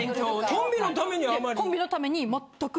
コンビのために全く。